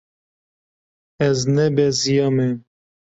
Ez nebeziyame.